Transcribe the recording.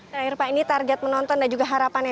nah irva ini target penonton dan juga harapan anda